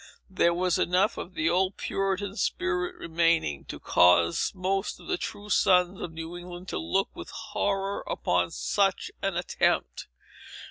There was enough of the old Puritan spirit remaining, to cause most of the true sons of New England to look with horror upon such an attempt.